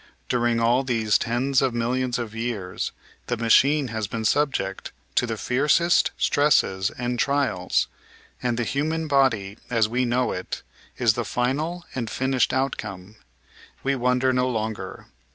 During all these tens of millions of years the machine has been subject to the fiercest stresses and trials, and the human body, as we know it, is the final and finished outcome. We wonder no longer.